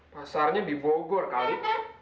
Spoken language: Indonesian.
pasarnya dibogor kali